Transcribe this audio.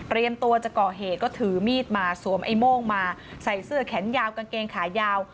ตัวจะก่อเหตุก็ถือมีดมาสวมไอ้โม่งมาใส่เสื้อแขนยาวกางเกงขายาว